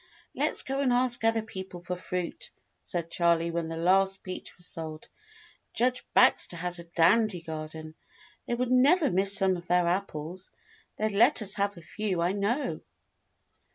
'" "Let's go and ask other people for fruit," said Charley when the last peach was sold. "Judge Bax ter has a dandy garden. They would never miss some of their apples. They'd let us have a few, I know."